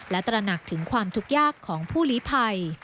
และตระหนักถึงความทุกข์ยากของผู้ลีภัย